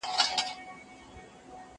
زه به سبا مينه څرګندوم وم!